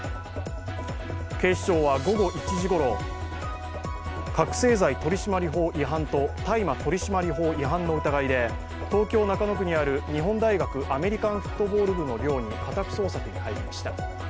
警視庁は午後１時ごろ覚醒剤取締法違反と大麻取締法違反の疑いで、東京・中野区にある日本大学アメリカンフットボール部の寮に家宅捜索に入りました。